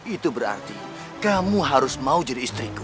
itu berarti kamu harus mau jadi istriku